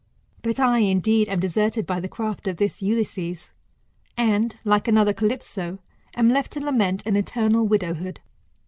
But I, indeed, am deserted by the craft of this Ulysses, and, like another Calypso, am left to lament an eternal widowhood.